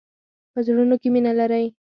په زړونو کې مینه لری.